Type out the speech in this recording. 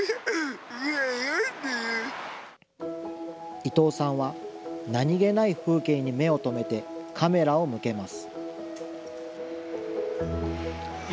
伊藤さんは、何気ない風景に目をとめてカメラを向けます。